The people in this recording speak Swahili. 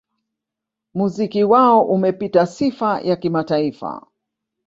Muziki wao umepata sifa ya kimataifa